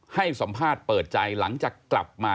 ให้สัมภาษณ์เปิดใจหลังจากกลับมา